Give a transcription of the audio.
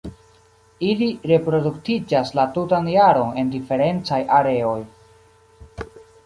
Ili reproduktiĝas la tutan jaron en diferencaj areoj.